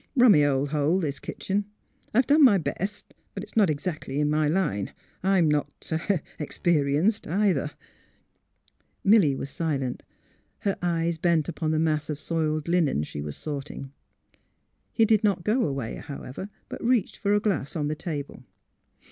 " Rummy old hole — this kitchen. I've done my best ; but it 's not exactly in my line. I'm not — er — experienced, either." A LITTLE JOUENEY 123 Milly was silent, her eyes bent upon the mass of soiled linen she was sorting. He did not go away, however, but reached for a glass on the table.